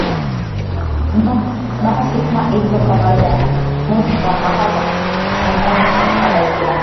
Basi kama ilivo kawaida mwisho wa makala iliyo pita ndo mwanzo wa makala ijayo